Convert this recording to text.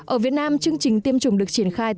ở việt nam chương trình tiêm chủng được triển khai